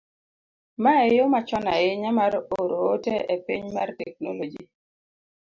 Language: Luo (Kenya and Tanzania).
mae e yo machon ahinya mar oro ote e piny mar teknoloji